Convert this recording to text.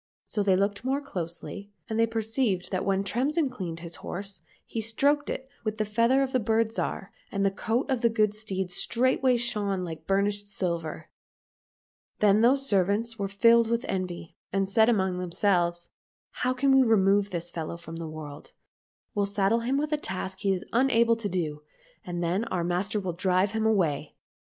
So they looked more closely, and they perceived that when Tremsin cleaned his horse he stroked it with the feather of the Bird Zhar, and the coat of the good steed straightway shone like burnished silver. Then those servants were filled with envy, and said among themselves, " How can we remove this fellow from the world ? We'll saddle him with a task he is unable to do, and then our master will drive him away."